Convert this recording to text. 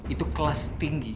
itu kelas tinggi